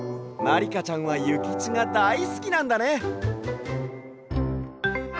まりかちゃんはゆきちがだいすきなんだね！